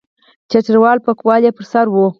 چترالی پکول یې پر سر وو.